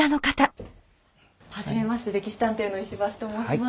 はじめまして「歴史探偵」の石橋と申します。